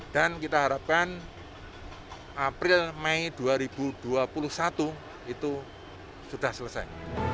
dan kita harapkan april may dua ribu dua puluh satu itu sudah selesai